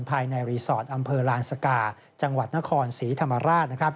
ภายในรีสอร์ทอำเภอลานสกาจังหวัดนครศรีธรรมราช